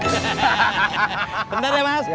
bentar ya mas